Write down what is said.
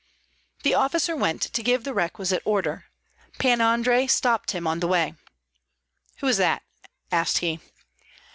The officer went to give the requisite order. Pan Andrei stopped him on the way. "Who is that?" asked he.